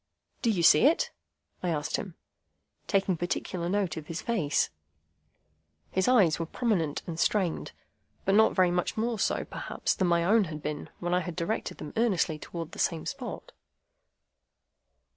"Do you see it?" I asked him, taking particular note of his face. His eyes were prominent and strained, but not very much more so, perhaps, than my own had been when I had directed them earnestly towards the same spot.